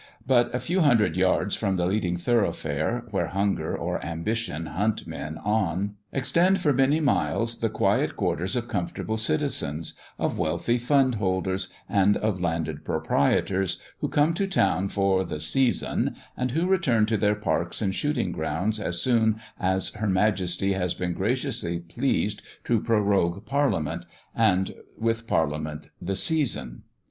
But a few hundred yards from the leading thoroughfares, where hunger or ambition hunt men on, extend for many miles the quiet quarters of comfortable citizens, of wealthy fundholders, and of landed proprietors, who come to town for "the season," and who return to their parks and shooting grounds as soon as her Majesty has been graciously pleased to prorogue Parliament, and with Parliament the season.